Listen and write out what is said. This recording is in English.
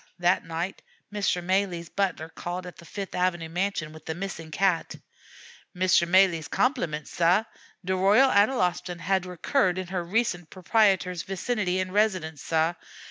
That night Mr. Malee's butler called at the Fifth Avenue mansion with the missing cat. "Mr. Malee's compliments, sah. De Royal Analostan had recurred in her recent proprietor's vicinity and residence, sah.